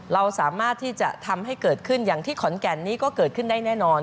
เราสามารถที่จะทำให้เกิดขึ้นอย่างที่ขอนแก่นนี้ก็เกิดขึ้นได้แน่นอน